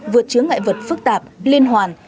vượt chứa ngại vật phức tạp liên hoàn